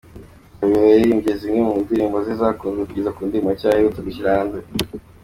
Gabiro yaririmbye zimwe mu ndirimbo ze zakunzwe kugeza ku ndirimbo nshya aherutse gushyira hanze.